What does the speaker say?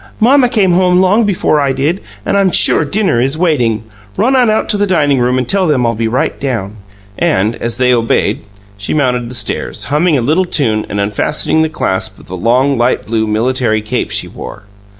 "Mamma came home long before I did, and I'm sure dinner is waiting. Run on out to the dining room and tell them I'll be right down." And, as they obeyed, she mounted the stairs, humming a little tune and unfastening the clasp of the long, light blue military cape she wore.